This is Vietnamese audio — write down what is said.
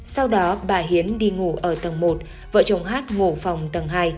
sau đó bà hiến đi ngủ ở tầng một vợ chồng hát mổ phòng tầng hai